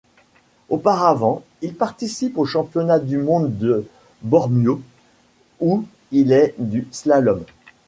Auparavant, il participe aux Championnats du monde de Bormio, où il est du slalom.